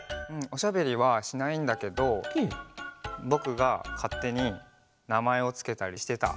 おしゃべりはしないんだけどぼくがかってになまえをつけたりしてた。